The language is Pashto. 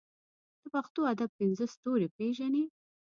د پښتو ادب پنځه ستوري پېژنې.